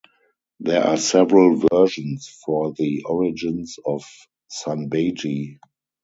There are several versions for the origins of sanbeiji.